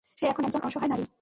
সে এখন একজন অসহায় নারী।